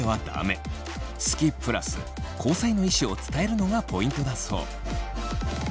好きプラス交際の意思を伝えるのがポイントだそう。